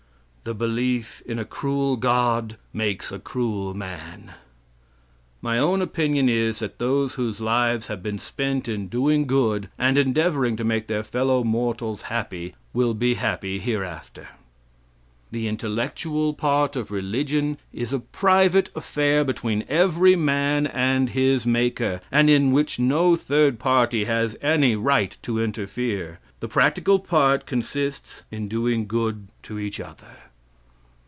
"The belief in a cruel God makes a cruel man. "My own opinion is, that those whose lives have been spent in doing good, and endeavoring to make their fellow mortals happy, will be happy hereafter. "The intellectual part of religion is a private affair between every man and his Maker, and in which no third party has any right to interfere. The practical part consists in our doing good to each other.